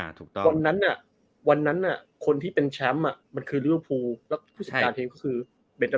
อ่าถูกต้องวันนั้นอ่ะวันนั้นอ่ะคนที่เป็นแชมป์อ่ะมันคือแล้วก็คือ